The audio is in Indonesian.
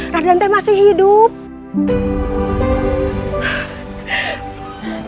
radean teh masih hilang